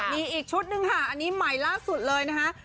มีอีกชุดหนึ่งค่ะอันนี้ใหม่ล่าสุดเลยนะคะ